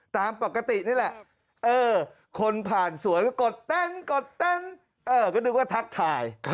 ตามปกตินี่แหละคนผ่านสวนก็กดเต้นกดเต้นก็นึกว่าทักทาย